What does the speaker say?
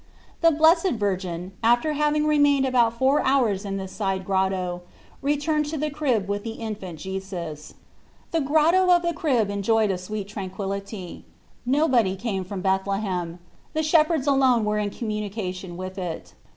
The Blessed Virgin, after having remained about four hours in this side grotto, returned to the crib with the Infant Jesus. The Grotto of the Crib enjoyed a sweet tranquillity. Nobody came from Bethle hem ; the shepherds alone were in com munication with it.